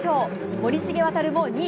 森重航も２位。